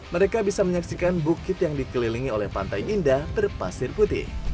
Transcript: mereka bisa menyaksikan bukit yang dikelilingi oleh pantai indah berpasir putih